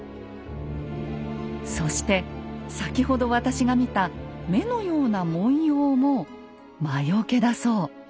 そして先ほど私が見た目のような文様も魔よけだそう。